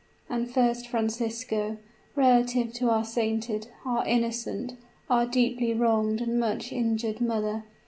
And first, Francisco, relative to our sainted our innocent our deeply wronged and much injured mother.